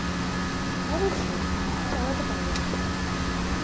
অবশ্যই, তুমি চালাতে পারবে না।